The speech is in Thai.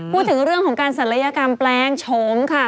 พูดถึงเรื่องของการศัลยกรรมแปลงโฉมค่ะ